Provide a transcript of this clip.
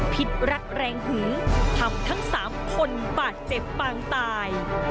พิษรักแรงหึงทำทั้ง๓คนบาดเจ็บปางตาย